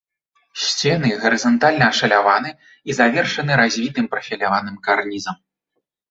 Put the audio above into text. Сцены гарызантальна ашаляваны і завершаны развітым прафіляваным карнізам.